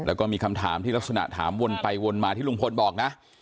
แล้วก็มีคำถามที่ลักษณะถามวนไปวนมาที่ลุงพลบอกนะ